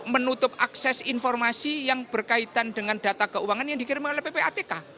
menutup akses informasi yang berkaitan dengan data keuangan yang dikirim oleh ppatk